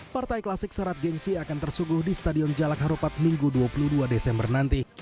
partai klasik syarat gengsi akan tersuguh di stadion jalak harupat minggu dua puluh dua desember nanti